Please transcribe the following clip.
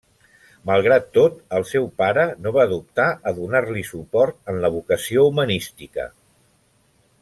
Malgrat tot, el seu pare no va dubtar a donar-li suport en la vocació humanística.